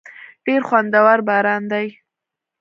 ډېر خوندور باران دی.